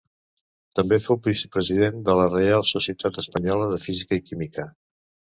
També fou vicepresident de la Reial Societat Espanyola de Física i Química.